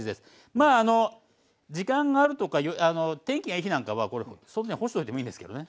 まあ時間があるとか天気がいい日なんかはこれ外に干しておいてもいいんですけどね。